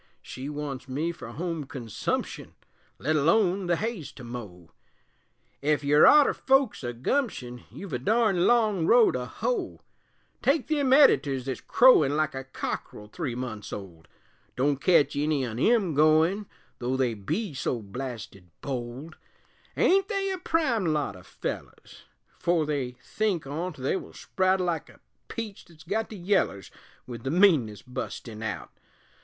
She wants me fer home consumption, Let alone the hay's to mow Ef you're arter folks o' gumption, You've a darned long row to hoe. Take them editors thet's crowin' Like a cockerel three months old Don't ketch any on 'em goin', Though they be so blasted bold; Ain't they a prime lot o' fellers? 'Fore they think on't they will sprout (Like a peach thet's got the yellers), With the meanness bustin' out.